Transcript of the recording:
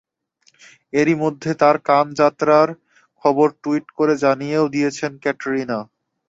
এরই মধ্যে তাঁর কান যাত্রার খবর টুইট করে জানিয়েও দিয়েছেন ক্যাটরিনা।